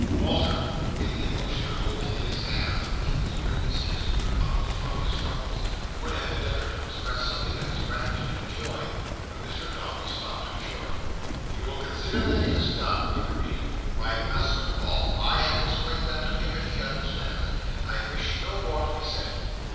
Walter, in the emotion of holding in his hand the means of releasing his good Uncle from his trouble, would have endeavoured to express something of his gratitude and joy. But Mr Dombey stopped him short. "You will consider that it is done," he repeated, "by Master Paul. I have explained that to him, and he understands it. I wish no more to be said."